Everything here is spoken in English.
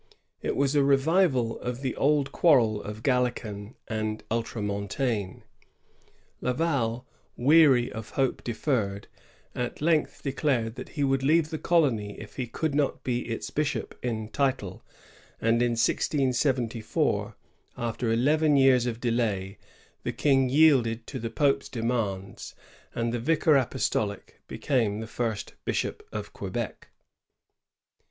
It was a revival of the old quarrel of Gallican and ultramontane. Laval, weary of hope deferred, at length declared that he would leave the colony if he could not be its bishop in title; and in 1674, after eleven years of delay, the King yielded to the Pope's demands, and the vicar apostolic became first Bishop of Quebec.